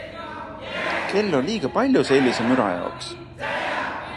Kell on liiga palju sellise müra jaoks.